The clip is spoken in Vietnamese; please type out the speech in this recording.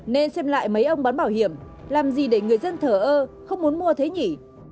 nên xem lại mấy ông bán bảo hiểm làm gì để người dân thở ơ không muốn mua thế nhỉ